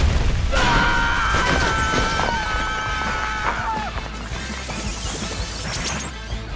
ああ。